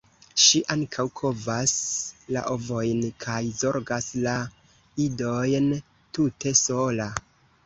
Ŝi ankaŭ kovas la ovojn kaj zorgas la idojn tute sola.